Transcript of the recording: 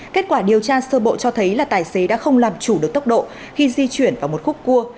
kết quả điều tra sơ bộ cho thấy là tài xế đã không làm chủ được tốc độ khi di chuyển vào một khúc cua